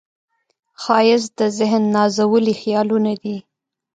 ښایست د ذهن نازولي خیالونه دي